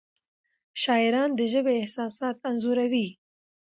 شاعران د ژبې احساسات انځوروي.